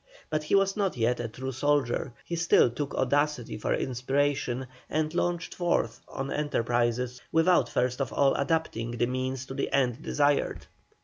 But he was not yet a true soldier; he still took audacity for inspiration, and launched forth on enterprises without first of all adapting the means to the end desired.